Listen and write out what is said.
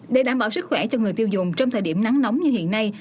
để đảm bảo sức khỏe cho người tiêu dùng trong thời điểm nắng nóng như hiện nay